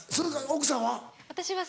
奥さんは？